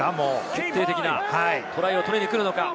決定的なトライを取りに来るのか。